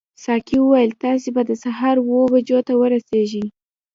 ساقي وویل تاسي به د سهار اوو بجو ته ورسیږئ.